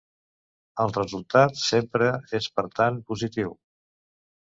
El resultat sempre és per tant, positiu.